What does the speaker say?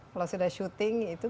kalau sudah shooting itu